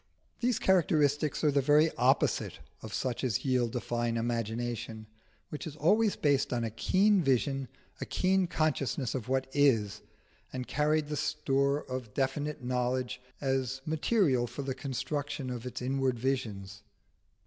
These characteristics are the very opposite of such as yield a fine imagination, which is always based on a keen vision, a keen consciousness of what is, and carries the store of definite knowledge as material for the construction of its inward visions.